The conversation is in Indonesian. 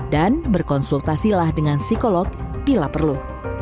dan berkonsultasilah dengan psikolog bila perlu